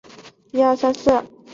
东海大学卒业。